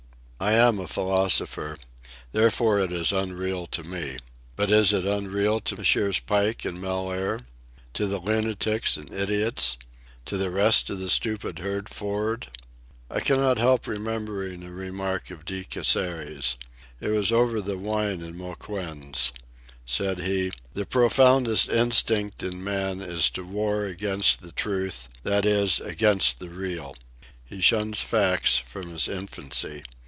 I am a philosopher. Therefore, it is unreal to me. But is it unreal to Messrs. Pike and Mellaire? to the lunatics and idiots? to the rest of the stupid herd for'ard? I cannot help remembering a remark of De Casseres. It was over the wine in Mouquin's. Said he: "The profoundest instinct in man is to war against the truth; that is, against the Real. He shuns facts from his infancy.